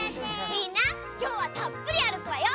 みんなきょうはたっぷりあるくわよ。